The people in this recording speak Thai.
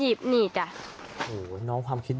มีกินไม่ใช่ถึงวันขยะ